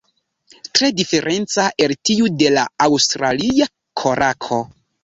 Tre diferenca el tiu de la Aŭstralia korako.